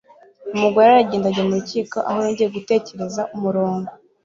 umugore aragenda ajya mu rukiko, aho yongeye gutegereza umurongo